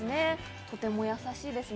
とても優しいですね。